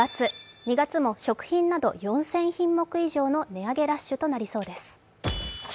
２月も食品など４０００品目以上の値上げラッシュとなりそうです。